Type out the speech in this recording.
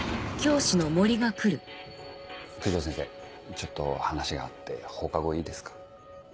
ちょっと話があって放課後いいですか？